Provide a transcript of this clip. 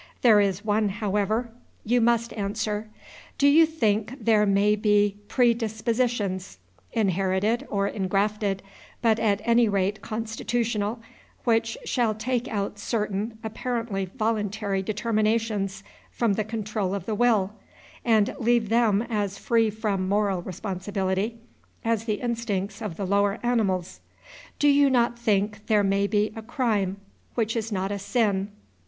There is one, however, you must answer. Do you think there may be predispositions, inherited or ingrafted, but at any rate constitutional, which shall take out certain apparently voluntary determinations from the control of the will, and leave them as free from moral responsibility as the instincts of the lower animals? Do you not think there may be a crime which is not a sin?